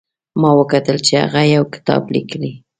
ما وکتل چې هغه یو کتاب لیکي